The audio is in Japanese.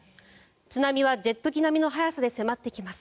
津波はジェット機並みの速さで迫ってきます。